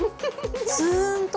つーんと？